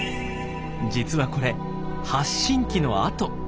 実はこれ発信器の跡。